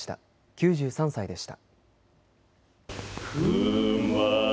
９３歳でした。